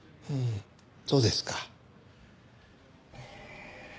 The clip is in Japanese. そうですか。